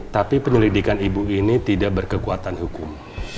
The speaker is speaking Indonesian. tapi penyelidikan ibu ini tidak berkekuatan hukum